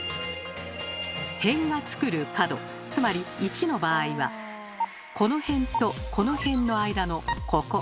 辺が作る角つまり１の場合はこの辺とこの辺の間のここ。